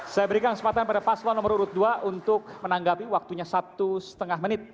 saya berikan kesempatan pada paslon nomor urut dua untuk menanggapi waktunya satu setengah menit